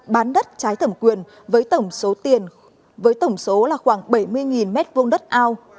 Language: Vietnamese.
bán đất trái thẩm quyền với tổng số tiền với tổng số là khoảng bảy mươi m hai đất ao